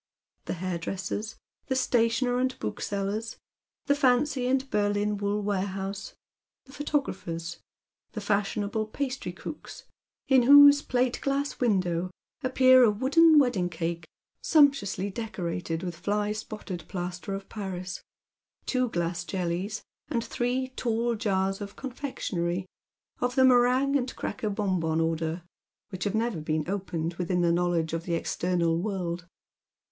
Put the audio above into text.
The hairdresser's — the stationer and book seller's — the fancy and Berlin wool warehouse — the photo grapher's — the fashionable pastrycook's, in whose plate glass window appear a wooden wedding cake, sumptuously decorated with fly spotted plaster of Paris, two glass jellies, and three tall glass jars of confectionery of the meringue and cracker bonbon order, which have never been opened within the knowledge of the external world.